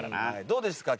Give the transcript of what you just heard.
どうですか？